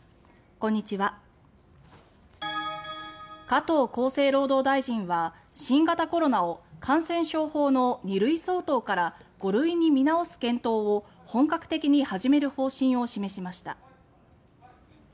加藤厚労大臣は新型コロナを感染症法の２類相当から５類に見直す検討を本格的に始める方針を示しました。